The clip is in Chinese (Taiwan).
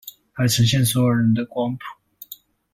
來呈現所有人的光譜